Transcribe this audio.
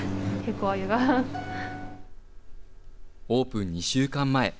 オープン２週間前。